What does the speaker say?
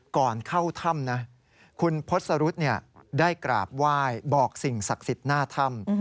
ก่อนเข้าถ้ำนะคุณพศรุษได้กราบไหว้บอกสิ่งศักดิ์สิทธิ์หน้าถ้ำ